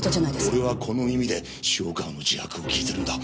俺はこの耳で塩川の自白を聞いてるんだ。